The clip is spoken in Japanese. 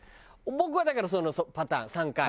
僕はだからそのパターン３回。